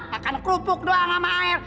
makan kerupuk doang sama air